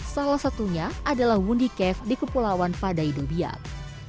salah satunya adalah wundi cave di kepulauan padaidobiat